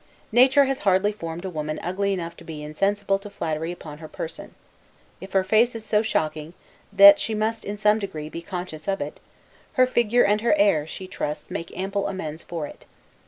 Nature has hardly formed a woman ugly enough to be insensible to flattery upon her person; if her face is so shocking, that she must in some degree, be conscious of it, her figure and her air, she trusts, make ample amends for it.